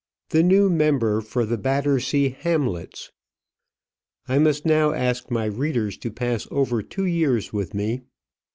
THE NEW MEMBER FOR THE BATTERSEA HAMLETS. I must now ask my readers to pass over two years with me.